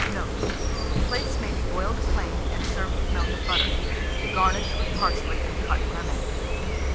Note. Plaice may be boiled plain, and served with melted butter. Garnish with parsley and cut lemon.